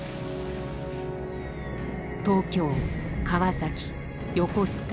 東京川崎横須賀